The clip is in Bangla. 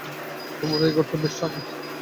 তোমার এই ঘরটি বেশ ঠাণ্ডা।